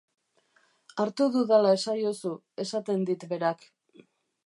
Hartu dudala esaiozu, esaten dit berak.